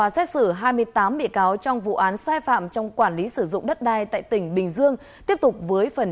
xin chào và hẹn gặp lại